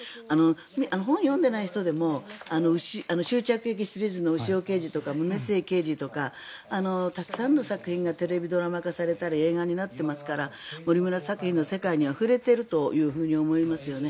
本を読んでない人でも「終着駅シリーズ」の牛尾刑事とかたくさんの作品がテレビドラマ化されたり映画になってますから森村作品の世界には触れていると思いますよね。